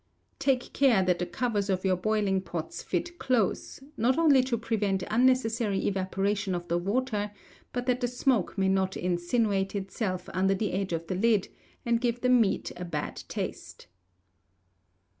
Take care that the covers of your boiling pots fit close, not only to prevent unnecessary evaporation of the water, but that the smoke may not insinuate itself under the edge of the lid, and give the meat a bad taste.